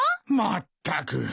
まったく。